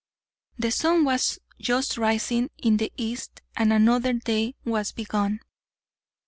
The sun was just rising in the east and another day was begun.